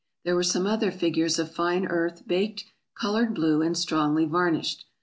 There were some other figures of fine earth baked, colored blue, and strongly varnished.